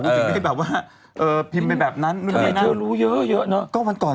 คุณถึงได้แบบว่าเออพิมพ์ไปแบบนั้นนึกไม่นั้น